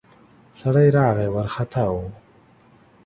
سړی راغی ، وارختا و.